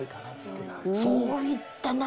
そういった。